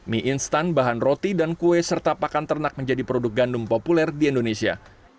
mie instan bahan roti dan kue serta pakan ternak menjadi produk gandum populer di indonesia